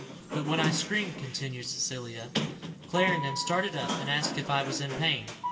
"But when I screamed," continued Cecilia, "Clarendon started up, and asked if I was in pain.